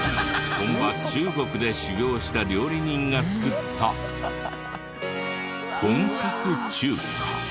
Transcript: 本場中国で修業した料理人が作った本格中華。